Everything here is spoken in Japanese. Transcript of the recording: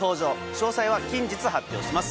詳細は近日発表します